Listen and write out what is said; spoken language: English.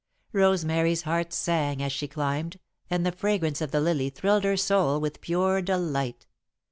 Rosemary's heart sang as she climbed, and the fragrance of the lily thrilled her soul with pure delight.